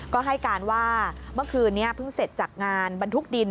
ก็ให้การว่าเมื่อคืนนี้เพิ่งเสร็จจากงานบรรทุกดิน